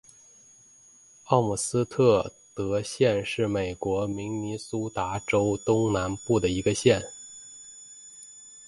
奥姆斯特德县是美国明尼苏达州东南部的一个县。